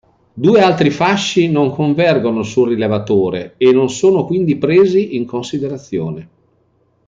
Due altri fasci non convergono sul rilevatore, e non sono quindi presi in considerazione.